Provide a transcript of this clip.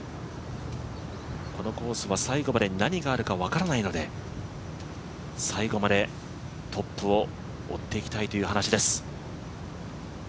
このコースは最後まで何があるか分からないので、最後までトップを追っていきたいという話です。